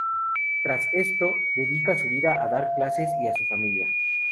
Tras esto, dedica su vida a dar clases y a su familia.